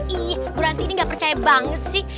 ih bu ranti ini nggak percaya banget sih